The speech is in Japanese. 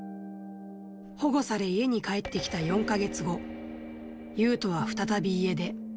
保護され、家に帰ってきた４か月後、ユウトは再び家出。